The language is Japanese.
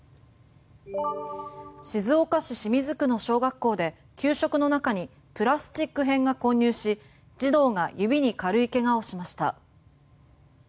静岡市清水区の小学校で給食の中にプラスチック片が混入し児童が指に軽いけがをしました。